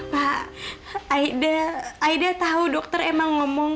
pak aida tahu dokter emang ngomong